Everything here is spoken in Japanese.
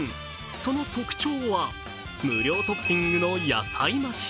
その特徴は、無料トッピングの野菜増し。